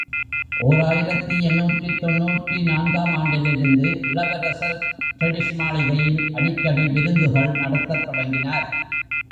ஓர் ஆயிரத்து எண்ணூற்று தொன்னூற்று நான்கு ஆம் ஆண்டிலிருந்து, இளவரசர் ட்ரெடிஸ் மாளிகையில் அடிக்கடி விருந்துகள் நடத்தத் தொடங்கினார்.